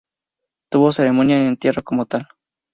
Tuvo ceremonia de entierro como tal.